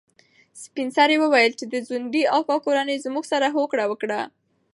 سپین سرې وویل چې د ځونډي اکا کورنۍ زموږ سره هوکړه وکړه.